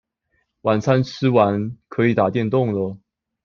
晚餐吃完可以打電動了